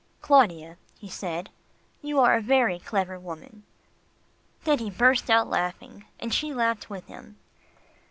"Claudia," he said, "you are a very clever woman," then he burst out laughing, and she laughed with him.